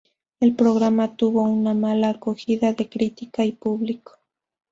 El programa tuvo una mala acogida de crítica y público.